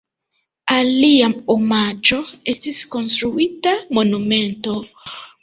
Al lia omaĝo estis konstruita monumento.